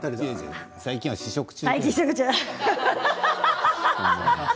最近は試食中。